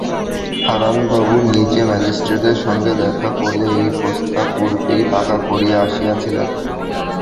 হারানবাবু নিজে ম্যাজিস্ট্রেটের সঙ্গে দেখা করিয়া এই প্রস্তাব পূর্বেই পাকা করিয়া আসিয়াছিলেন।